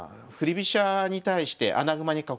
飛車に対して穴熊に囲う。